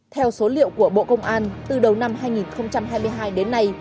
theo số liệu của bộ công an từ đầu năm hai nghìn hai mươi hai đến nay